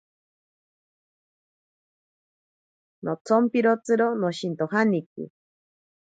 Notsompitziro noshintojaniki.